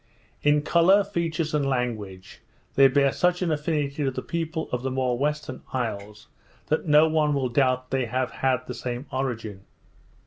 In colour, features, and language, they bear such an affinity to the people of the more western isles, that no one will doubt they have had the same origin.